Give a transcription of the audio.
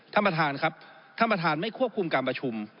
ท่านประธานครับท่านประธานไม่ควบคุมการประชุม